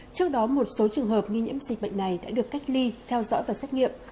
trước đó một số trường hợp nghi nhiễm dịch bệnh này đã được cách ly theo dõi và xét nghiệm